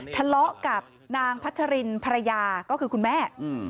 ทะเลาะกับนางพัชรินภรรยาก็คือคุณแม่